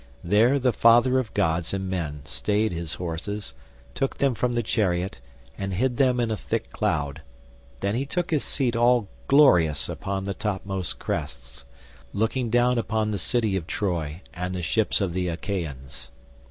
There the father of gods and men stayed his horses, took them from the chariot, and hid them in a thick cloud; then he took his seat all glorious upon the topmost crests, looking down upon the city of Troy and the ships of the Achaeans.